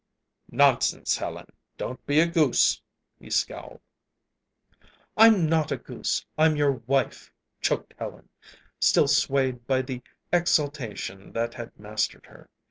"Nonsense, Helen, don't be a goose!" he scowled. "I'm not a goose. I'm your wife," choked Helen, still swayed by the exaltation that had mastered her.